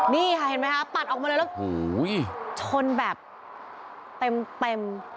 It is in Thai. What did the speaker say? นี่ค่ะเห็นไหมคะปัดออกมาเลยแล้วชนแบบเต็ม